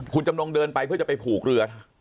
คุณจำนงเดินไปเพื่อจะไปผูกเรือ